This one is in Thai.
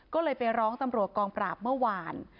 ก็เลยไปร้องตำรวจกองปราบเมื่อวาน